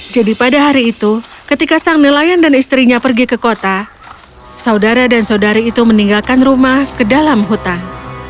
jadi pada hari itu ketika sang nelayan dan istrinya pergi ke kota saudara dan saudari itu meninggalkan rumah ke dalam hutan